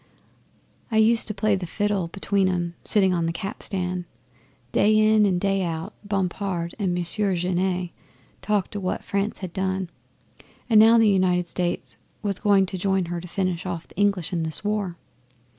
I used to play the fiddle between 'em, sitting on the capstan. Day in and day out Bompard and Monsieur Genet talked o' what France had done, and how the United States was going to join her to finish off the English in this war.